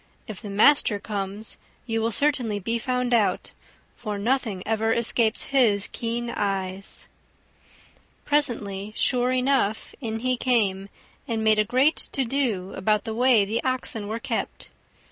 If the master comes, you will certainly be found out, for nothing ever escapes his keen eyes." Presently, sure enough, in he came, and made a great to do about the way the Oxen were kept.